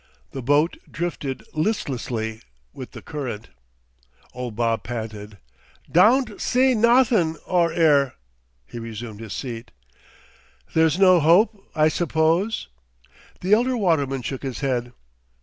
The boat drifted listlessly with the current. Old Bob panted: "'Dawn't see nawthin' o' 'er." He resumed his seat. "There's no hope, I suppose?" The elder waterman shook his head.